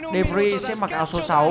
de vries sẽ mặc áo số sáu